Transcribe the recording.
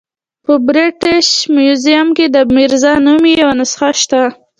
په برټش میوزیم کې د میرزا نامې یوه نسخه شته.